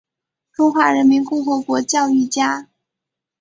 中华人民共和国教育家。